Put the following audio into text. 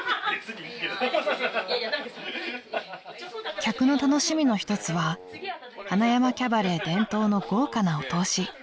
［客の楽しみの一つは塙山キャバレー伝統の豪華なお通し］